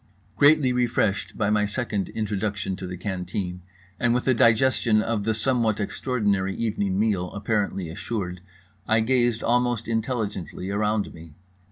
Greatly refreshed by my second introduction to the canteen, and with the digestion of the somewhat extraordinary evening meal apparently assured, I gazed almost intelligently around me.